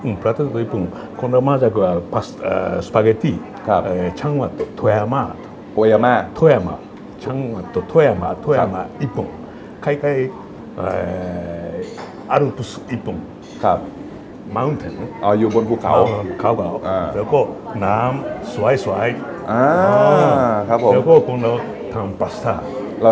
มีแล้วก็ที่นี่โอปุ่นเข้าประมาณ๑๘ปีที่แล้วกันนะ